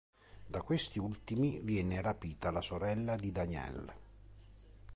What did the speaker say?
Da questi ultimi viene rapita la sorella di Danielle.